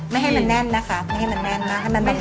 ไม่ให้มันแน่นนะคะไม่ให้มันแน่นนะให้มันบางแบบนี้